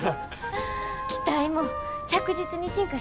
機体も着実に進化してますね。